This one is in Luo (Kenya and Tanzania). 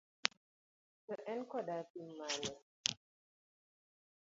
To, en koda tim mane?